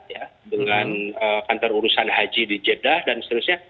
ya dengan kantor urusan haji di jeddah dan seterusnya